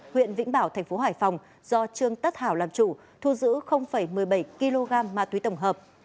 huyện vĩnh bảo thành phố hải phòng do trương tất hảo làm chủ thu giữ một mươi bảy kg ma túy tổng hợp